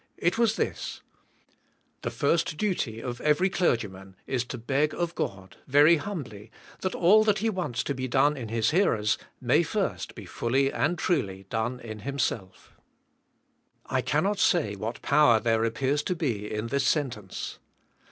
It was this, "The first duty of every clergyman is to beg of God, very humbly, that all that he wants to be done in his hear ers, Tnay first he fully and truly done in himself,'''' I cannot say what power there appears to be in this sentence.